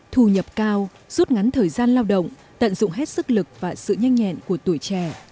thu nhập cao rút ngắn thời gian lao động tận dụng hết sức lực và sự nhanh nhẹn của tuổi trẻ